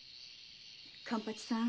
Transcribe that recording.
勘八さん